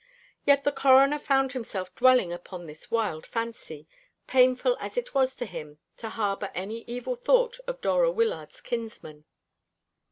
Yet the Coroner found himself dwelling upon this wild fancy, painful as it was to him to harbour any evil thought of Dora Wyllard's kinsman.